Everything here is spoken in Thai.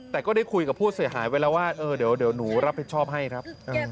แต่ก็ได้คุยกับผู้เสียหายไว้แล้วว่าเออเดี๋ยวหนูรับผิดชอบให้ครับ